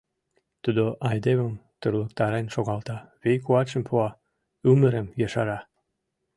Тудо айдемым тырлыктарен шогалта, вий-куатшым пуа, ӱмырым ешара».